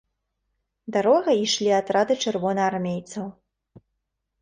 Дарогай ішлі атрады чырвонаармейцаў.